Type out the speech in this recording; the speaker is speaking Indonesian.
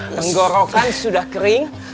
lenggorokan sudah kering